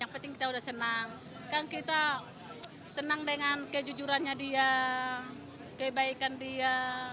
yang penting kita udah senang kan kita senang dengan kejujurannya dia kebaikan dia